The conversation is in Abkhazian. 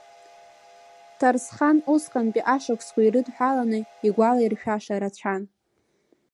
Ҭарсхан усҟантәи ашықәсқәа ирыдҳәаланы игәалаиршәаша рацәан.